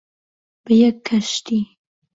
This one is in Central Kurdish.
بە یەک کەشتی،